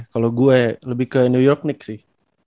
kalau gue lebih ke new york nick sih